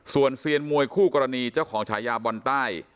ส่วนเซียนมวยคู่กรณีเจ้าของฉายาบอลใต้